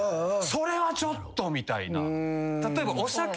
それはちょっとみたいな。